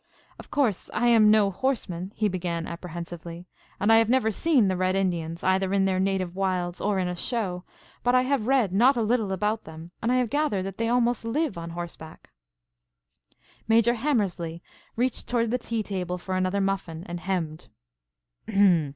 "Of course, I am no horseman," he began apprehensively, "and I have never seen the red Indians, either in their native wilds or in a show, but I have read not a little about them, and I have gathered that they almost live on horseback." Major Hammerslea reached toward the tea table for another muffin and hemmed.